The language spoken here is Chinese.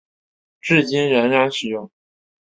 至今仍然使用。